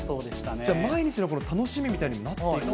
じゃあ、毎日の楽しみみたいにもなってるんですね。